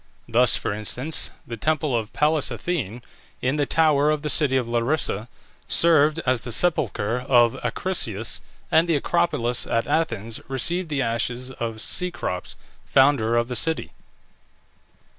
Thus, for instance, the temple of Pallas Athene, in the tower of the city of Larissa, served as the sepulchre of Acrisius, and the Acropolis at Athens received the ashes of Cecrops, founder of the city.